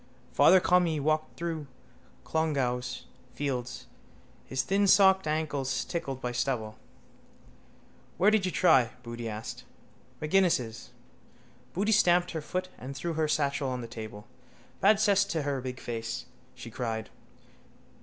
Father Conmee walked through Clongowes fields, his thinsocked ankles tickled by stubble. —Where did you try? Boody asked. —M'Guinness's. Boody stamped her foot and threw her satchel on the table. —Bad cess to her big face! she cried.